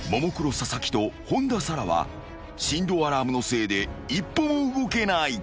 佐々木と本田紗来は振動アラームのせいで一歩も動けない］